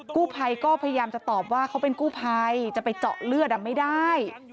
กู้ภัยก็พยายามจะตอบว่าเขาเป็นกู้ภัยจะไปเจาะเลือดไม่ได้